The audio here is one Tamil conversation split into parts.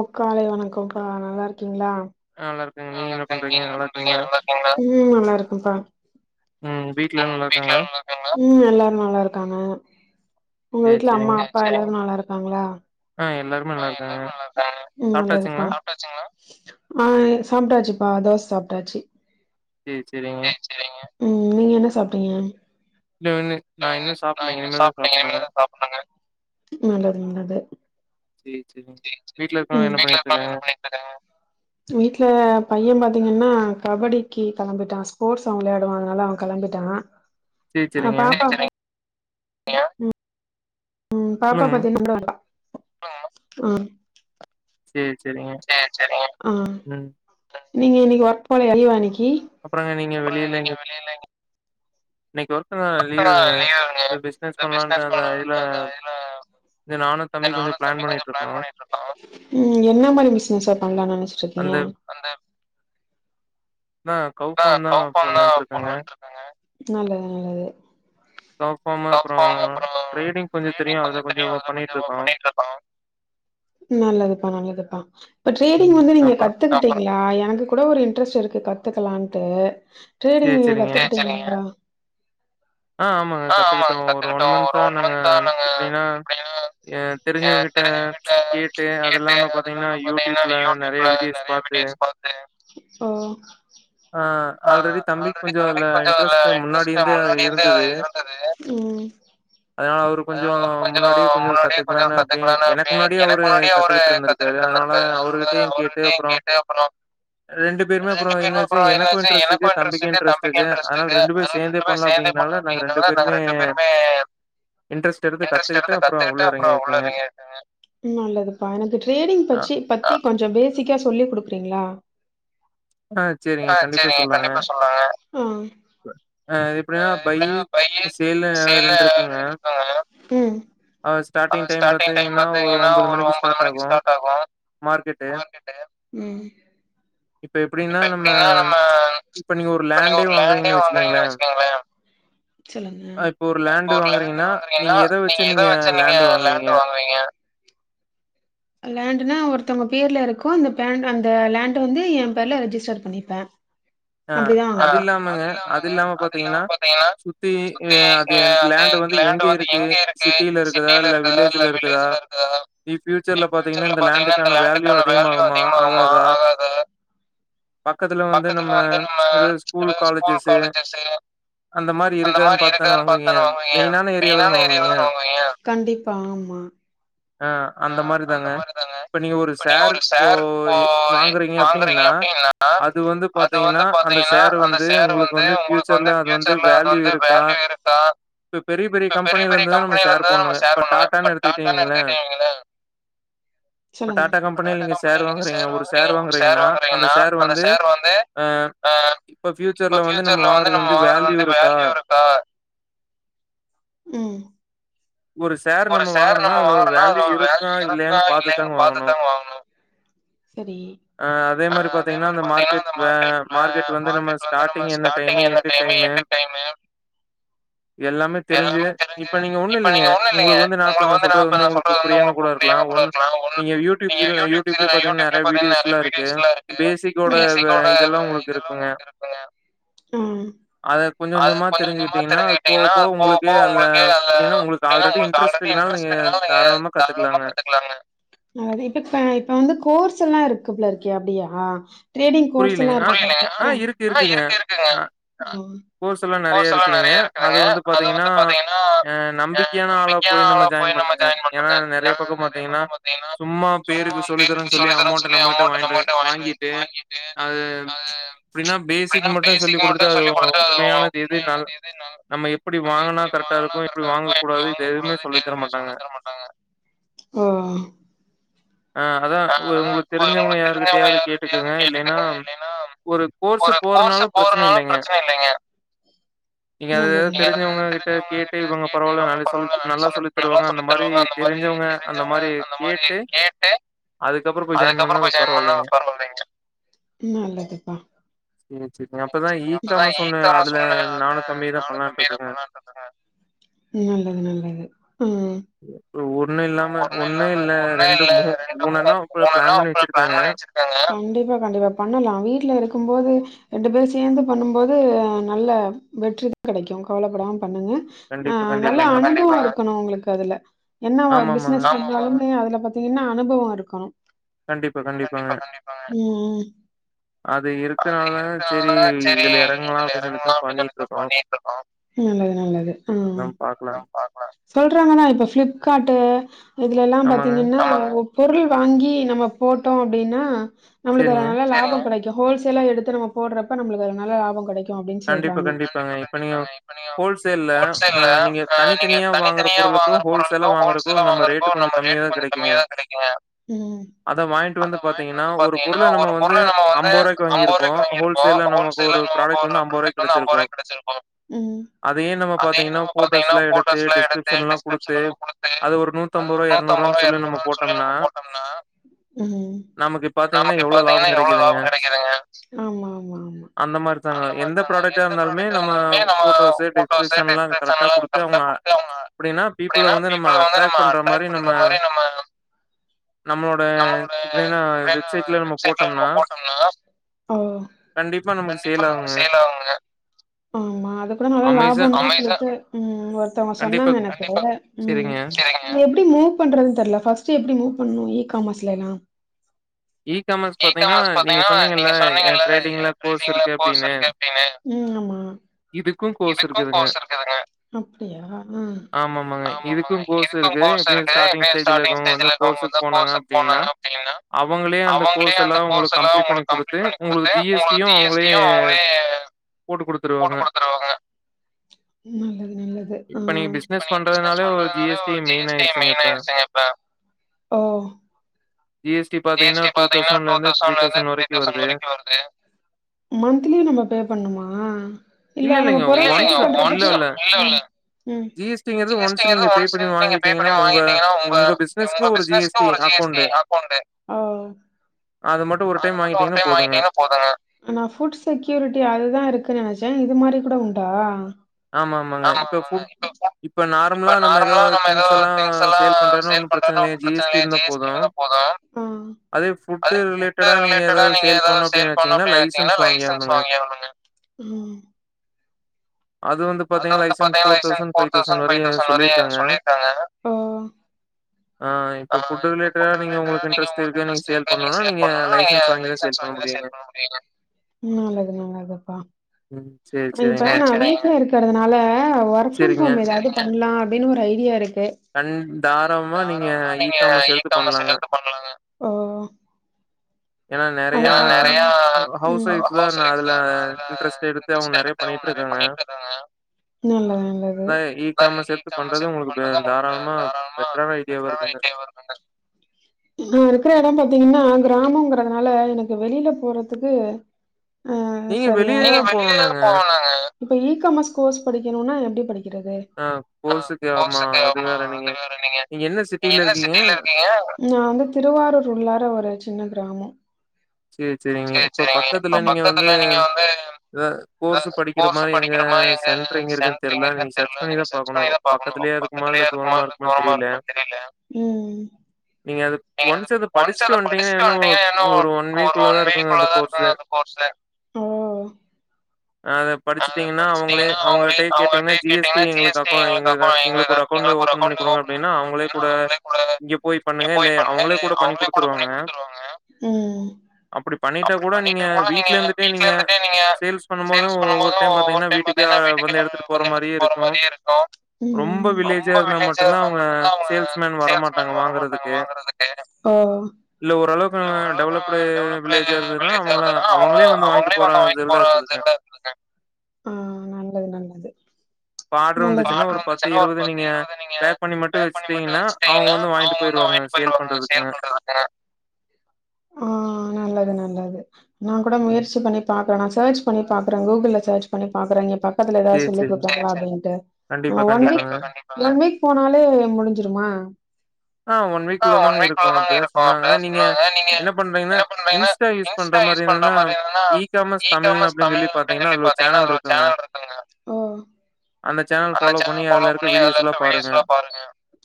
முக்காலை வணக்கம் பா நல்லா இருக்கீங்களா நா நல்லா இருக்கே நீங்க என்ன பண்றீங்க நல்லா இருக்கீங்களா ம் நல்லா இருக்கும்ப்பா ம் வீட்ல எல்லா நல்லா இருக்காங்களா ம் எல்லாரும் நல்லா இருக்காங்க உங்க வீட்ல அம்மா அப்பா எல்லாரும் நல்லா இருக்காங்களா ஆ எல்லாருமே நல்லா இருக்காங்க சாப்ட்டாச்சுங்கலா ஆ சாப்பிட்டாச்சுப்பா தோச சாப்ட்டாச்சு சரி சரிங்க ம் நீங்க என்ன சாப்ட்டீங்க [unintelligible] நா இன்னும் சாப்டலிங்க இனிமேல் தான் சாப்டன்னுங்க நல்லது நல்லது செரி செரிங்க வீட்ல எல்லாரும் என்ன பண்ணிக்கிட்டு இருக்காங்க வீட்ல பையன் பாத்தீங்கன்னா கபடிக்கு கிளம்பிட்டா ஸ்போர்ட்ஸ் அவன் விளையாடுவான் அதனால அவன் கிளம்பிட்டா ஆ பாப்பா ம் பாப்பா பாத்தி அ [inaudible] ம் நீங்க இன்னிக் ஒர்க் போலயா லீவா இன்னிக் தி அப்புறோ நீங்க வெளில எங் இன்னைக்கு ஒர்க் [unintelligible] நா லீவுங்க பி பிஸ்னஸ் பண்லான்ட்டு அந்த இதுல நானு தம்பியு கொஞ்சோ ஃப்ளான் பண்ணிட்ருந்தோ ம் என்ன மாரி பிஸ்னஸு பண்லானு நெனச்சிட் ருக்கிங்க அந்த [unintelligible] கௌ ஃபாம் தா போட்லான்ட்ருக்கங்க நல்லது நல்லது கௌ ஃபாமு அப்புறோ ட்ரேடிங் கொஞ்சு தெரியு அதுல துரியு அதுல கொஞ்சோ ஒ பண்ணிட்ருக்கோ நல்லதுப்பா நல்லதுப்பா அ டரேடிங் வந்து நீங்க கத்துக்கிட்டீங்களா எனக்கு கூட ஒரு இன்ட்ரெஸ் இருக் கு கத்துக்கலான்ட்டு ட்ரேடிங் நீங்க கத்து [inaudible] அ ஆமாங்க கத்துக்கிட்டோ ஒரு ஒன் மந்த்தா நாங்க எப்டீனா எ தெரிஞ்சவ்ங்கிட்ட கேட்டு அதுல்லாம பாத்தீங்ன்னா யூட்யூப்ல நெறைய வீடியோஸ் பா வீடியோஸ் பாத்து ஓ அ ஆல்ரெடி தம்பிக் கொஞ்சோ அத்ல இன்ட்ரெஸ்ட்டு முன்னாடி இருந்தே இந்துது ம் அதனால அவுரு கொஞ்சோ முன்னாடியே கொஞ்சோ கத்துக்னால அப்டே எனக் முன்னாடியே அவரு கத்துகி ட்ருந்துருக்காரு அதனால அவரு கிட்டயு கேட்டு அப்புறோ ரெண்டு பேருமே அப்றோ என்னாச்ன எனக்கு இன்ட்ரெஸ்டடு தம்பிக்கு‌ இன்ட்ரெஸ்டடு அத்னா ரெண்டு பேரூ சேந்தே பண்லா ரெண்டு பேருமே இன்ட்ரெஸ்ட் எடுத்து இன்ட்ரெஸ்ட் எடுத்து கத்துகிட்டு அப்றோ உள்ள எறங்கியாச்சுங்க ம் நல்லதுப்பா எனக் ட்ரேடிங் பற்றி பத்தி கொஞ்சம் பேசிக்கா சொல்லி குடுக்றீங்ளா அ செரிங்க கண்டிப்பா சொல்றங்க ம் அ எப்டினா [unintelligible] சேலே ரெண்டுருக்குங்க ம் அ ஸ்டாடிங் டைம் பாத்தீங்கன்னா ஒரு உம்பது மணிக்கு ஸ்டாட் ஆகு மார்க்கெட்டு ம் [inaudible] இப்ப எப்டினா நம்ம இப்ப நீங்க ஒரு லேண்டே வாங்குறீங்கன் வெச்சுக்கீங்களே சொல்லுங்க ப இப்போ ஒரு லேண்ட்டு வாங்குறீங்கனா நீங்க எத வச்சு நீங்க லேண்ட்டு வாங்குவீங்க லேண்டுன்னா ஒருத்தவ்ங்க பேர்ல இருக்கோ அந்த பே அந்த லேண்டு வந்து எ பேர்ல ரெஜிஸ்டர் பண்ணிப்பே அப்டிதா வாங்குவே அ அதில்லாமங்க அது இல்லாம பாத்தீங்கன்னா சுத்தி [unintelligible] அ எனக்கு லேண்டு வந்து எங்க இருக்கு சிட்டியில இருக்குதா இல்ல வில்லேஜ்ல இருக்குதா இனி ஃப்யூச்சர்ல பாத்தீங்கன்னா இந்த லேண்டுக்கான வேல்யூ அதிகமாகுமா ஆகாதா பக்கத்துல வந்து நம் வந்து நம்ம ஸ்கூலு ஸ்கூல் காலேஜஸு அந்த மாதிரி இருக்குதான் பாத்தான வாங்குவீங்க மெய்னான ஏரியால தான வாங்குவீங்க கண்டிப்பா ஆமா ம் அ அந்த மாரி தாங்க இப்ப நீங்க ஒரு ஷேரு போ இ வாங்குறீங்க அப்டீங்னா அது வந்து பா து வந்து பாத்தீங்கன்னா அந்த ஷேரு வந்து உங்குளுக்கு வந்து ஃப்யூச்சர்ல அது வந்து வேல்யூ இருக்கா இப்ப பெரிய பெரிய கம்பெனிலந்துதா நம்ம ஷேரு பண்ணோமே பட் டாடால [unintelligible] சொல்லுங்க இப்ப டாடா கம்பெனில நீங்க ஷேரு வாங்குறீங்க ஒரு ஷேரு வாங்குறீங்கனா அந்த ஷேருல வந் து அ இப்ப ஃப்யூச்சர்ல வந்து நம்ம வாங்கற்து வந்து வேல்யூ ருக்கா ம் ஒரு ஷேர் நம்ம வாங்குறனா அதுல ஒரு வேல்யூ இருக்கா இல்லயானு பாத்துதா வாங்கனோ அ அதே மாரி பாத்தீங்ன்னா அந்த மார்க்கெட் வ மார்க்கெட் வந்து நம்ம ஸ்டாடிங் என்ன டைமு எண்டு டைமு எல்லாமே தெரிஞ்சு இப்ப நீங்க ஒண்ணு இல்லீங்க இப்ப இல்லைங்க உங்களுக்கு வந்து நா இப்ப நா சொல்றது வந்து உங்களுக்கு புரியாம கூட இருக்கலா ஒன்னு நீங்க யூடியூப் சீரில யூடியூப் க பாத்தீங்கன்னா நெறயா வீடியோஸ் எல்லா இருக்கு பேசிகோட இது இதெல்லா உங்களுக்கு இருக்குங்க ம் அது கொஞ்சோ கொஞ்சமா தெரிஞ்சுகிட்டீங்கன்னா அது போக போக உங்களுக்கே அந்த அப்டினா உங்களுக்கு ஆல்ரெடி இன்ட்ரெஸ்ட் இருக்குன்னா நீங்க தாராளமா கத்துக்கலாங்க அது இப்ப இப்ப வந்து கோர்ஸ் எல்லா இருக்கு போல இருக்கே அப்டியா டிரேடிங் கோர்ஸ் எல்லா இருக் புரிலைங்ளே அ இருக்கு இருக்குங்க கோர்ஸ் எல்லா நெறயா இருக்குதுங்க அது வந்து பாத்தீங்கன்னா எ நம்பிக்கையான ஆளா போய் நம்ம ஜாய்ன் பண்ணுங்க ஏனா நெறயா பக்கோ பாத்தீங்கன்னா சும்மா பேருக்கு சொல்லி தரன்னு சொல்லி அமௌன்ட் நம்மிட்ட வாங்கிட் வாங்கிட்டு அ அப்டினா பேசிக் மட்டு சொல்லி் குடுத்துட்டு அது உண்மையானது எது நல் நம்ம எப்படி வாங்கனா கரெக் டா இருக்கு எப்படி வாங்க கூ டாது இது எதுமே சொல்லித் தர மாட்டாங்க ஆ அதா உ உங்களுக்கு தெரிஞ்சவங்க யாருகிட்டயாவது கேட்டுக்குங்க இல்லை னால ஒரு கோர்ஸு போறனாலு பிரச்சனை இல்லைங்க நீங்க அத எதாவது தெரிஞ்சவங்க கிட்ட கேட்டு இவங்க பரவால்ல நல்லா சொல்லி நல்லா தருவாங்க அந்த மாரி தெரிஞ்ச தெரிஞ்சவங்க அந்த மாரி கேட்டு அதுக்கப்புறோ போய் ஜாயின் பண்ணா பரவால்லைங் நல்லது பா சேரி சேரிங்க அப்பெல்லா இகாமர்ஸ் சொன்னல்லங்க அதுல நானு தம்பியெல்லா பண்லான்ட்டு இருக்கோங்க நல்லது நல்லது அ ஒன்னுமில்லாம ஒன்னு இல்ல ரெண்டு மூணு மூணன்னா அப்ப பிளான் பண்ணி வெச்சிருக்காங்க கண்டிப்பா கண்டிப்பா பண்ணலா வீட்ல இரு க்கும்போது ரெண்டு பேர் சேர்ந்து பண்ணும்போது நல்ல வெற்றி கெடைக்கு கவலப்படாம பண்ணுங்க நல்ல அனுபவோ இருக்கணு உங்களுக்கு அதுல என்னவா பிசினஸ் பண்ணாலுமே அதுல பாத்தீங்கன்னா அனுபவோ இருக்கணு கண்டிப்பா கண்டிப்பாங்க ம் அது இருக்கனால செரி இதுல இறங்கலா அப்டின்னு சொல்லிதா பண்ணிட்டு இருக்கோ நல்லது நல்லது அ அதா பாக்கலாங் சொல்றாங்க ஆனா இப்ப ஃப்ளிப்கார்ட் இதுல எல்லாம் பாத்தீங்கன்னா பொருள் வாங்கி நம்ம போட்டோ அப்டினா நம்மளுக்கு நல்ல லாபோ கெடைக்கு ஹோல்சேலா எடுத்து நம்ம போடறப்ப நம்மளுக்கு அதுல நல்ல லாபோ கெடைக்கு அப்டின்னு சொல்றாங்க கண்டிப்பா கண்டிப்பாங்க இப்ப நீங்க ஹோல்சேல்ல நீங்க தனித்தனியா வாங்கற பொருளுக்கு ஹோல்சேல்ல வாங்கருக்கு நம்ம ரேட் கொஞ்சோ கம்மியாதா கெடைக்குங்க அத வாங்கிட்டு வந்து பாத்தீங்கன்னா ஒரு பொருள நம்ம வந்து அம்பது ரூவாய்க்கு வாங்கிருப்போ ஹோல்சேல்ல நமக்கு ஒரு ப்ராடக்ட் வந்து அம்பது ரூபாய்க்கு கெடைச்சிருக்கு ம் ம் அதே நம்ம பாத்தீங்கன்னா போட்டோஸ் எல்லா எடுத்து டிஸ்கிரிப்ஷன் எல்லா குடுத்து அது ஒரு நூத்தம் பது ரூவா இரநூறு ரூவானு சொல்லி நம்ம போட்டம்னா ம் நமக்கு பாத்தீங்கன்னா எவ்ளோ விக்கிறாங்க ஆமாமாமா த்தாங்க எந்த ப்ராடக்டா இருந்தாலுமே நம்ம போட்டோஸு டிஸ்கிரிப்ஷன்ல்லா கரெக்ட்டா குடுத்து அவுங்கள அப்டினா பீப்பிள வந்து நம்ம அட்ராக்ட் பண்ற மாரி நம்ம நம்மளோட எப்டினா வெப்சைட்ல நம்ம போட்டம்னா நம்மளால ஓ கண்டிப்பா நமக்கு சேல் ஆகுங்க ஆமா அது கூட நல்லா லாபந்த அமேசா சொல்லிட்டு ம் ஒருத்தங்க சொன்னாங்க எனக்கு ம் கண்டிப்பா சேரிங்க நா எப்டி மூவ் பண்றதுன் தெர்ல ஃபர்ஸ்ட் எப்டி மூவ் பண்ணு இ காமர்ஸ்ல்லா இ காமர்ஸ் பாத்தீங்கன்னா நீங்க சொன்னீங்கல்ல எ டிரேடிங்ல கோர்ஸ் இருக்கு அப்டின்னு இப் இது க்கு கோர்ஸ் இருக்குதுங்க ஆமாமாங்க இதுக்கு கோர்ஸ் இருக்கு எப்டின் ஸ்டார்ட்டிங் ஸ்டேஜ்ல இருக்கவங்க வந்து கோர்ஸுக்கு போனாங்க அப்டின்னா அவுங்களே அந்த கோர்ஸ் எல்லா உங்களுக்கு கம்ப்ளீட் பண்ணி குடுத்து உங்களுக்கு ஜி எஸ் டியு அவுங்களே போட்டு குடுத்துருவாங்க நல்லது நல்லது ஆ பிசினஸ் பண்றதுநாளே ஒ ஜீ எஸ் டி மெயின் ஆய்டுசுங்க இப்ப ஓ ஜி எஸ் டி பாத்தீங்கன்னா ஃபோர் தவ்சண்ட் ல இருந்து த்ரீ தவ்சண்ட் வருது மந்த்லி நம்ம பே பண்ணனுமா இல்ல நம்ம பொருள் சேல் பண்றதுக்கு ம் ஜி எஸ் டி கிரது ஒன்சு நீங்க பே பண்ணி வாங்கிடிங்கன்னா உங்க உங்க பிசினஸ் கு ஒரு ஜி எஸ் டி அக்கவுண்ட் ஓ ஓ நா ஃபுட் செக்யூரிட்டி அதுதா இருக்குன்னு நெனைச்ச இது மாரி கூட உண்டா ஆமா ஆமாங்க இப்ப இப்ப நார்மலா நம்ம எதோ திங்ஸ் லா சேல் பண்ற அதெல்லாம் ஒண்ணு பிரச்சன இல்ல ஜி எஸ் டி இருந்தா போது அதே ஃபுட் ரிலேட்டடா நீங்க ஏதாவது செயல்படமும்னு நினைச்சிங்கண்ணா லைசென்ஸ் வாங்கிருனுங்க ம் அது வந்து பாத்தீங்கான licence four thousand five thousand வரையு சொல்லிருக்காங்க ஆ இப்ப ஃபுட் ரிலேட்டடா நீங்க உங்களுக்கு இன்டரஸ்ட் இருக்கு சேல் பண்ணா நீங்க லைசன்ஸ் வாங்கிதா சேல் நல்லது நல்லதுப்பா இப்ப நா வீக் இருக்கிறதுனால ஒர்க் ஃப்ரம் ஹோம் ஏதாவது பண்ணலா அப்டின்னு ஒரு ஐடியா இருக்கு கூ கண் தாராளமா நீங்க ஈகாமர்ஸ் எடுத்து பண்லாங்க அது பாத்திங்கண்ணா நறையா ஹவுஸ் ஒய்ஃப் அதுல இன்ட்ரெஸ்ட் எடுத்து அவங்க நெறைய பண்ணிகிட்டு இருக்காங்க நல்லது நல்லது ஈகாமர்ஸ் எடுத்து பண்றது நா இருக்கிற இட பாத்தீங் ன்னா கிராமங்கிறதுனால எனக்கு வெளில போறதுக்கு ஆ சரியா இப்ப இ காமர்ஸ் கோர்ஸ் படிக்கணுனா எப்டி படிக்க கிறது ஆ [unintelligible] நா வந்து திருவாரூர் உள்ளார ஒரு சின்ன கிராமோ சேரி சேரிங்க இப்ப பக்கத்துல நீங்க வந்து ஹ கோர்ஸு படிக்கிற மாரி எங்க சென்டர் எங்க இருக்குன்னு தெரில நீங்க சர்ச் பண்ணிதா பாக்கணு பக்கத்திலயே [unintelligible] கவனமா இருக்கூ மா னுதெரில நீங்க அது ஒன்ஸ் அது படிச்சுட்டு வந்ட்டீங்கன்னா இன்னு ஒரு ஒரு ஒன் வீக்குள்ள தா இருக்கூங்க அந்த கோர்ஸ்ஸு அத படிச்சுட்டீங்கன்னா அவுங்களே அவுங்க கிட்டயே கேட்டீங்கன்னா ஜி எஸ் டி எங்களுக்கு அக்கோ எங்களுக்கு ஒரு அக்கோண்ட்டு ஓபன் பண்ணி குடுங்க அப்டின்னா அவுங்களே கூட இங்க போய் பண்ணுங்க இல்ல அவுங்களே கூட பண்ணி குடுத்துருவாங்க ம் ம் அப்டி பண்ணிட்டு கூட நீங்க வீட்ல இருந்துட்டே நீங்க சேல்ஸ் பண்ணும் போது ஒவ்வொரு டைம் பாத்தீங்கன்னா வீட்டுக்கே வந்து எடுத்துட்டு போற மாரியூம் இருக்கு ம் ம் ரொம்ப வில் [unintelligible] இருந்தா மட்டும் தான் அவங்க சேல்ஸ் மேன் வரமாட்டாங்க வாங்கறுத்கு ஓ ஓ இல்ல ஓரளவுக்கு நம்ம டெவலப் டூ வில்லேஜா இருந்ததுன்னா அவுங்கள அவுங்களே வந்து வாங்கிட்டு போறதெல்லா இருக்குதுங்க ஆ நல்லது நல்லது இப்ப ஆர்டர் வந்துச்சுன்னா ஒரு பத்து இருவது நீங்க பேக் பண்ணி மட்டூ வச்சுட்டீங்கன்னா அவுங்க வந்து வாங்கிட்டு போயிருவா ங்க சேல் பண்றதுக்குங்க ஆ நல்லது நல்ல லது நா கூட முயற்சி பண்ணி பாக்குறே நா சேர்ச் பண்ணி பாக்குறே கூகுள்ல சேர்ச் பண்ணி பாக்குறே இங்க பக் கத்துல ஏதாவது சொல்லி கொடுக்குறாங்களா அப்டின்ட்டு ஆ ஒன் வீக் ஒன் வீக் போனாலே முடுஞ்சிருமா ஆ ஒன் வீக்குள்ள தாங்க இருக்கூ அப்டிதா சொன்னாங்க நீங்க என்ன பண்றீங்கன்னா இன்ஸ்டா யூஸ் பண்ற மாரி இருந்துதன ஈகாமர்ஸ் தமிழ் [unintelligible] அதுல ஒரு சேனல் இருக்குதுங்க அந்த சேனல் ஃபாலோ பண்ணி அதுல இருக்குற வீடியோஸ் லா பாருங்க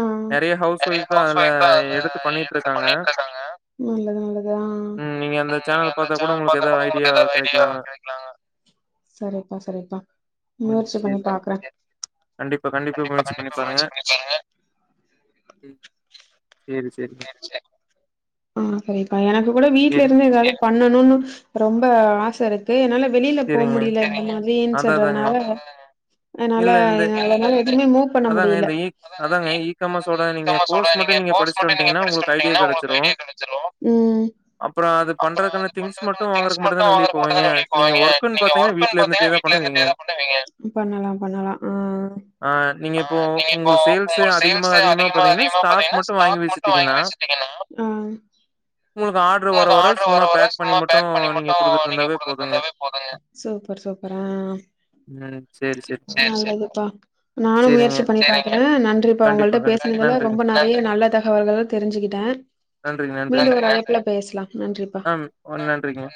ஆ ஆ நறையா ஹவுஸ் ஒய்ஃப் தா அதுல எடுத்து பண்ணிக்கிட்டு இருக்காங்க நல்லது நல்லது ஆ அந்த சேனல் பாத்தா கூட உங்களுக்கு ஏதாவது ஐடியா கெடைக்கலாங்க செரிப்பா செரிப்பா முயற்சி பண்ணி பாக்குறே கண்டிப்பா கண்டிப்பா முயற்சி பண்ணி பாருங்க சேரி சேரிங்க ஆ செரிப்பா எனக்கு கூட வீட்லருந்தே எதாவ்து பண்ணணுனு ரொம்ப ஆச இருக்கு என்னால வெளில போ முடிய்ல அந்த மாதிரின் சொல்றதுனால அதுனால என்னால என்னால எதுமே மூ அதாங்க இந்த இக் அதாங்க இ காமர்ஸ்ஸோட நீங்க கோர்ஸ் மட்டு நீங்க படிச்சுட்டு வன்டீங்கனா உங்களுக்கு ஐடியா கெடச்சு ரு ம் அப்பறோ அது பண்றதுக்கான கேஷ் மட்டு வாங்குறக்கு மட்டு தானே வெளிய போவீங்க நீங்க ஒர்க்குன்னு பாத்தீங்கனா வீட்டி பண்ணலா பண்ணலா ஆ ஆ நீங்க இப்போ உங்க சேல்ஸ்ஸே அதிகமா அதிகமா பண்ணீங்கனா ஸ்டாக் மட்டு வாங்கி வச்சுட்டீங்கனா ஆ உங்களுக்கு ஆர்ட்ரு வர வர சும்மா பேக் பண்ணி மட்டு நீங்க குடுத்துட்டு வந்தாவே போதுங்க நல்லதுப்பா நானு முயற்சி பண்ணி பாக்குறே நன்றிப்பா உங்கள்ட பேசுனதுல ரொம்ப நெறைய நல்ல தகவல்கள தெரிஞ்சுக்கிட்டே மீண்டு ஒரு அழைப்புல ஆம் ஓ நன்றிங்க